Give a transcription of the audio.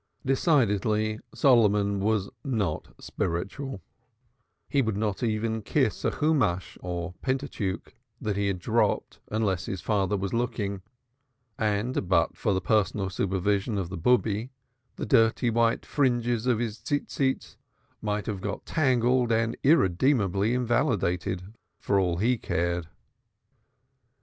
Decidedly. Solomon was not spiritual, he would not even kiss a Hebrew Pentateuch that he had dropped, unless his father was looking, and but for the personal supervision of the Bube the dirty white fringes of his "four corners" might have got tangled and irredeemably invalidated for all he cared.